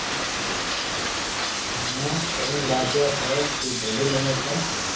مني توو لاگي ھي تو ڀلو مينڪ ھي